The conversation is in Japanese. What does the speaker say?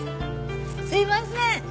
すいません。